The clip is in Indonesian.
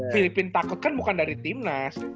filipina takut kan bukan dari timnas